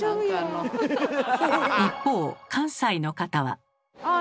一方関西の方は。